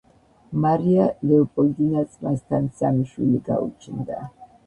მარია ლეოპოლდინას მასთან სამი შვილი გაუჩნდა.